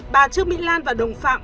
bà trương mỹ lan và đồng phạm